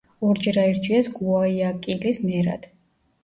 ორჯერ აირჩიეს გუაიაკილის მერად.